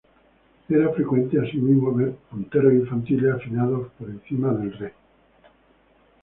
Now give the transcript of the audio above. Era frecuente, así mismo ver punteros infantiles afinados por encima del "re".